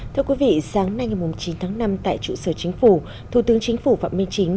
thưa quý vị sáng nay ngày chín tháng năm tại trụ sở chính phủ thủ tướng chính phủ phạm minh chính